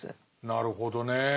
なるほどね。